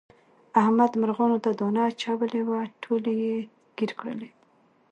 احمد مرغانو ته دانه اچولې وه ټولې یې ګیر کړلې.